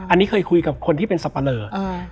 อันนี้เคยคุยกับคนที่เป็นสับปะเลอร์